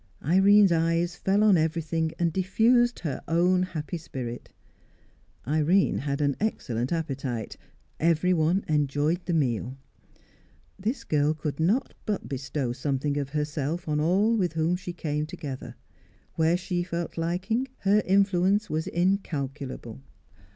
Irene's eyes fell on everything and diffused her own happy spirit. Irene had an excellent appetite; everyone enjoyed the meal. This girl could not but bestow something of herself on all with whom she came together; where she felt liking, her influence was incalculable.